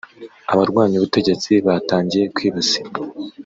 Abarwanya ubutegetsi batangiye kwibasirwa